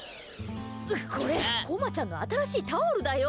これ、こまちゃんの新しいタオルだよ。